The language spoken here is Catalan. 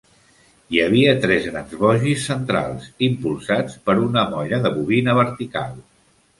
Hi havia tres grans bogis centrals, impulsats per una molla de bobina vertical.